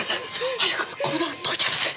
早くこの縄解いてください！